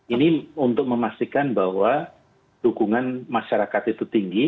ini untuk memastikan bahwa dukungan masyarakat itu tinggi